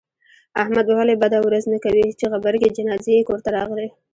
احمد به ولې بده ورځ نه کوي، چې غبرگې جنازې یې کورته راغلې.